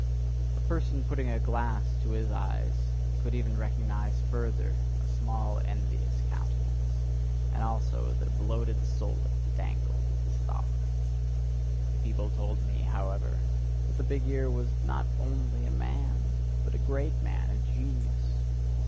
A person putting a glass to his eyes, could even recognise further a small envious countenance, and also that a bloated soullet dangled at the stalk. The people told me, however, that the big ear was not only a man, but a great man, a genius.